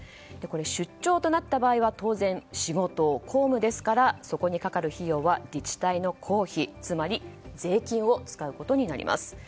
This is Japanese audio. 出張となった場合は当然仕事、公務ですからそこにかかる費用は自治体の公費つまり税金を使うことになります。